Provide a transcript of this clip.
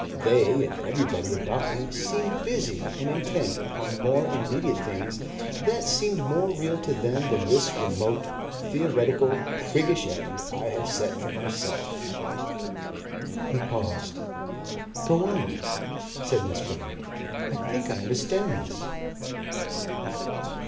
They, and everybody about me, seemed busy and intent upon more immediate things, that seemed more real to them than this remote, theoretical, PRIGGISH end I have set for myself...." He paused. "Go on," said Miss Grammont. "I think I understand this."